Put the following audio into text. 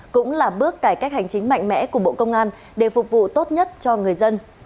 cũng là bước cải cách hành chính mạnh mẽ của bộ công an để phục vụ tốt nhất cho người dân